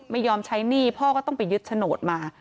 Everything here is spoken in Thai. ไม่ยอมใช้หนี้พ่อก็ต้องไปยึดโฉนดมา